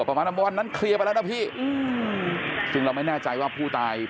ประมาณว่าวันนั้นเคลียร์ไปแล้วนะพี่อืมซึ่งเราไม่แน่ใจว่าผู้ตาย